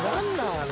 あれ。